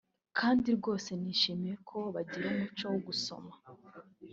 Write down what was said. kandi rwose nishimiye ko bagira umuco wo gusoma